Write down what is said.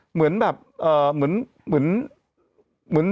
เหมือนแบบเอ่อเหมือน